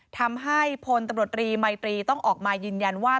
ทำให้พลตำรวจรีมัยตรีต้องออกมายืนยันว่า